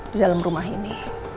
di dalam rumah ini